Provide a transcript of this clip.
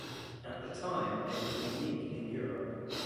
At the time it was unique in Europe.